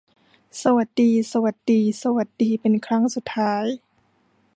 สวัสดี สวัสดี สวัสดีเป็นครั้งสุดท้าย